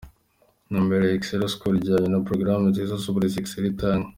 Intumbero ya Excella School ijyanye na porogarame nziza z’uburezi Excella itanga.